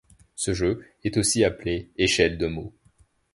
Ce jeu est aussi appelé échelle de mots.